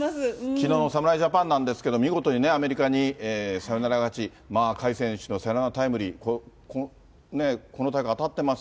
きのうの侍ジャパンなんですけれども、見事にアメリカにサヨナラ勝ち、甲斐選手のサヨナラタイムリー、この大会、当たってます。